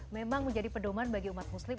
memang menjadi pedoman bagi umat muslim